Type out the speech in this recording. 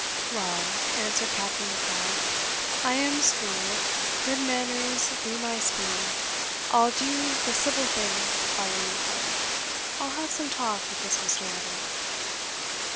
"Well," answered Captain M'Intyre, "I am schooled good manners be my speed! I'll do the civil thing by your new friend I'll have some talk with this Mr. Lovel."